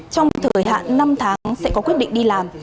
trong thời hạn năm tháng sẽ có quyết định đi làm